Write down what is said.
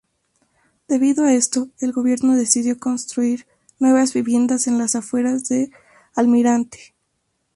Debido a esto, el Gobierno decidió construir nuevas viviendas en las afueras de Almirante.